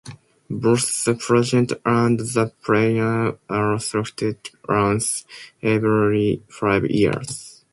Both the President and the Premier are selected once every five years.